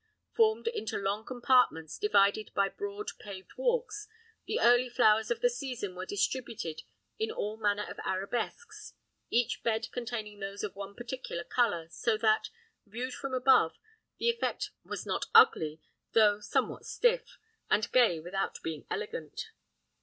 Formed into large compartments, divided by broad paved walks, the early flowers of the season were distributed in all manner of arabesques, each bed containing those of one particular colour; so that, viewed from above, the effect was not ugly though somewhat stiff, and gay without being elegant.